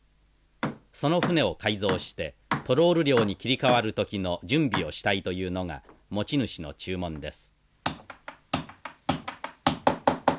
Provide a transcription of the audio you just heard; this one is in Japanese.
その船を改造してトロール漁に切り替わる時の準備をしたいというのが持ち主の注文です。